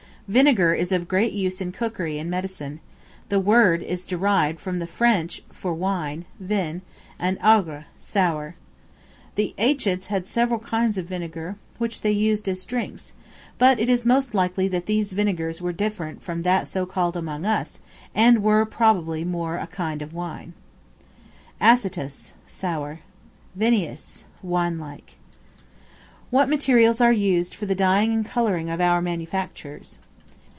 Vinegar is of great use in cookery and medicine; the word is derived from the French for wine, vin, and aigre, sour. The ancients had several kinds of vinegar, which they used as drinks; but it is most likely that these vinegars were different from that so called among us, and were more probably a kind of wine. Acetous, sour. Vinous, wine like. What materials are used for the dyeing and coloring of our manufactures?